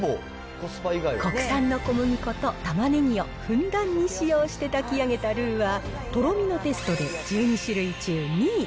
国産の小麦粉とたまねぎをふんだんに使用して炊き上げたルーは、とろみのテストで１２種類中２位。